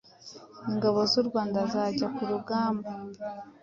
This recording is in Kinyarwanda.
ingabo z’u rwanda zajya ku rugamba,